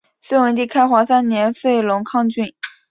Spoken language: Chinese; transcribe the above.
隋文帝开皇三年废龙亢郡。